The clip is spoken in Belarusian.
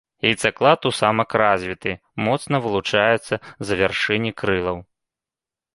Яйцаклад у самак развіты, моцна вылучаецца за вяршыні крылаў.